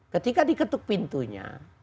ketika diketuk pintunya